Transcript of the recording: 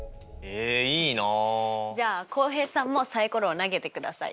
じゃあ浩平さんもサイコロを投げてください。